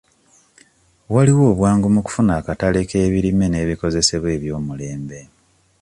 Waliwo obwangu mu kufuna akatale k'ebirime n'ebikozesebwa eby'omulembe.